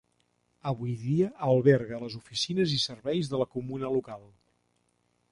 Avui dia alberga les oficines i serveis de la comuna local.